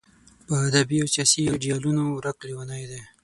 په ادبي او سیاسي ایډیالونو ورک لېونی دی.